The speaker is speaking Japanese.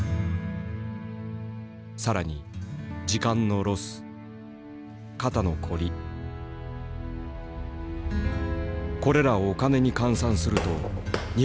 「更に時間のロス肩の凝りこれらをお金に換算すると２８０円。